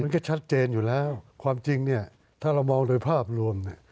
มันก็ชัดเจนอยู่แล้วความจริงถ้าเรามองโดยภาพรวม